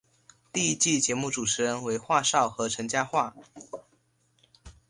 第一季节目主持人为华少和陈嘉桦。